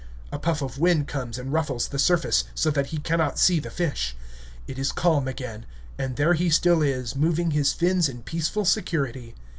A puff of wind comes and ruffles the surface, so that he cannot see the fish. It is calm again, and there he still is, moving his fins in peaceful security.